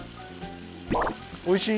おいしい？